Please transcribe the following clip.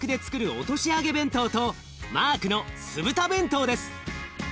弁当とマークの酢豚弁当です。